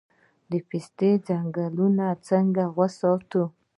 د پستې ځنګلونه څنګه وساتو؟